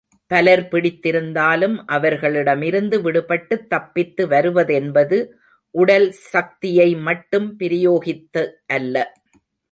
பலர் பிடித்திருந்தாலும் அவர்களிடமிருந்து விடுபட்டுத் தப்பித்து வருவதென்பது உடல் சக்தியை மட்டும் பிரயோகித்து அல்ல.